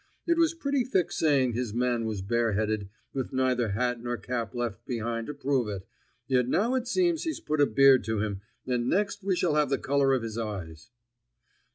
It was pretty thick saying his man was bareheaded, with neither hat nor cap left behind to prove it! Yet now it seems he's put a beard to him, and next we shall have the color of his eyes!"